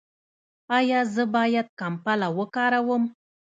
ایا زه باید کمپله وکاروم؟